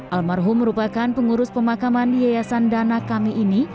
almarhum merupakan pengurus pemakaman di yayasan dana kami ini